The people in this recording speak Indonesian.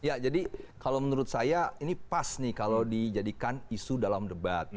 ya jadi kalau menurut saya ini pas nih kalau dijadikan isu dalam debat